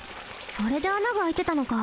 それであながあいてたのか。